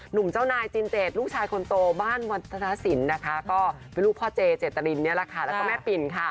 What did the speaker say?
หนุ่มเจ้านายจินเจศลูกชายคนโตบ้านวันศสินศ์เป็นลูกพ่อเจเจตรินแล้วก็แม่ปิ่น